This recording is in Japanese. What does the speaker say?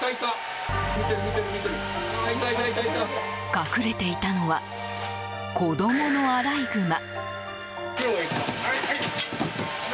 隠れていたのは子供のアライグマ。